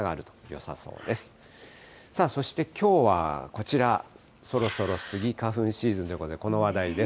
さあ、そしてきょうはこちら、そろそろスギ花粉シーズンということで、この話題です。